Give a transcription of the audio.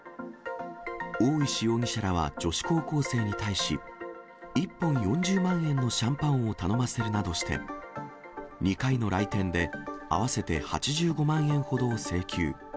大石容疑者らは女子高校生に対し、１本４０万円のシャンパンを頼ませるなどして、２回の来店で合わせて８５万円ほどを請求。